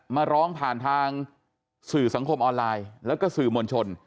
มาร้องผ่านทางสื่อสังคมออนไลน์แล้วก็สื่อมวลชน